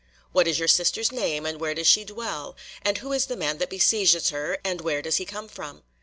"What is your sister's name, and where does she dwell? And who is the man that besieges her, and where does he come from?"